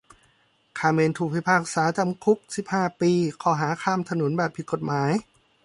คาร์เมนถูกพิพากษาจำคุกสิบห้าปีข้อหาข้ามถนนแบบผิดกฎหมาย